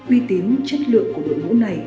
uy tín chất lượng của đội ngũ này